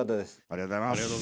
ありがとうございます。